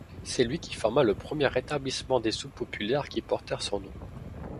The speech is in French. C’est lui qui forma le premier établissement des soupes populaires qui portèrent son nom.